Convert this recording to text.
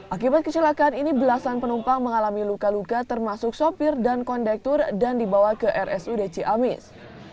akibat kecelakaan ini belasan penumpang mengalami luka luka termasuk sopir dan kondektur dan dibawa ke rsud ciamis